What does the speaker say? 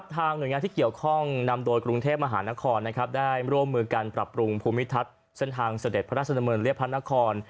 หน่วยงานที่เกี่ยวข้องนำโดยกรุงเทพมหานครได้ร่วมมือการปรับปรุงภูมิทัศน์เส้นทางเสด็จพระราชดำเนินเรียบพระนคร